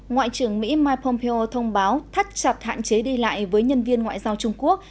ngoại trưởng mỹ mike pompeo thông báo thắt chặt hạn chế đi lại với nhân viên ngoại giao trung quốc